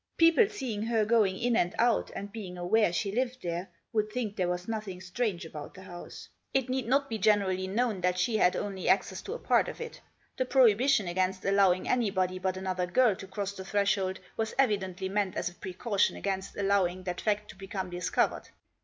People seeing her going in and out, and being aware she lived there, would think there was nothing strange about the house. It need not be generally known that she had only access to a part of it. The prohibition against allowing anybody but another girl to cross the threshold was evidently meant as a precaution against allowing that fact to become discovered.